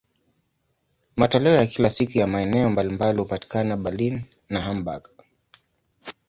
Matoleo ya kila siku ya maeneo mbalimbali hupatikana Berlin na Hamburg.